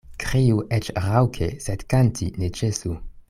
Kriu eĉ raŭke, sed kanti ne ĉesu.